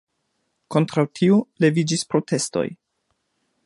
Kontraŭ tio leviĝis protestoj.